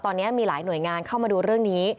ตอนนี้มีหลายหน่วยงานเข้ามาดูเรื่องนี้